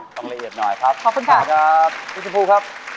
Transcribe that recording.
ค่ะขอละเอียดหน่อยครับขอบคุณค่ะขอบคุณครับพี่สุภูครับ